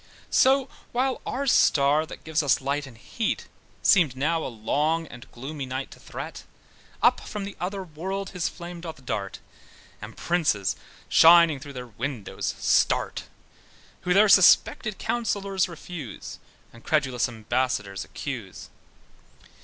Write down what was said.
So while our star that gives us light and heat, Seemed now a long and gloomy night to threat, Up from the other world his flame he darts, And princes (shining through their windows) starts, Who their suspected counsellors refuse, And credulous ambassadors accuse.